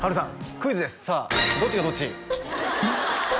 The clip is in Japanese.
クイズですさあどっちがどっち？